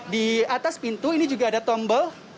di atas pintu ini juga ada tombol